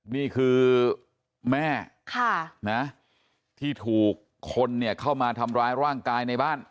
นี่คือแม่ที่ถูกคนเนี่ยเข้ามาทำร้ายร่างกายในบ้าน